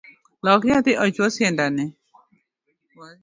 Lok nyathi ochuo siandane